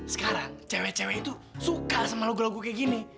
sekarang cewek cewek itu suka sama logo logo kayak gini